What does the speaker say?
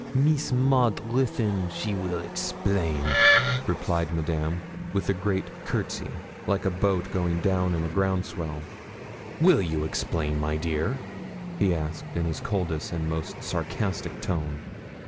'Miss Maud a Ruthyn, she weel explain,' replied Madame, with a great courtesy, like a boat going down in a ground swell. 'Will you explain, my dear?' he asked, in his coldest and most sarcastic tone.